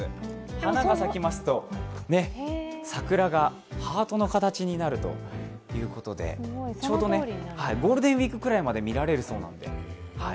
花が咲きますと桜がハートの形になるということでちょうどゴールデンウイークくらいまで見られるそうなんで。